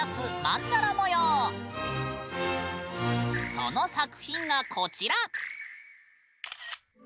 その作品がこちら！